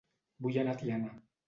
Vull anar a Tiana